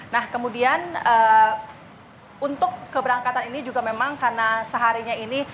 nah kemudian untuk keberangkatan ini juga memang karena seharinya ini